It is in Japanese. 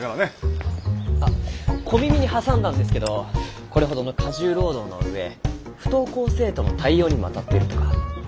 あっ小耳に挟んだんですけどこれほどの過重労働の上不登校生徒の対応にも当たっているとか。